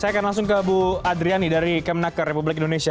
saya akan langsung ke bu adriani dari kemenaker republik indonesia